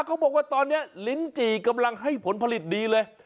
เขาบอกว่าตอนนี้ลิ้นจี่กำลังให้ผลผลิตดีเลย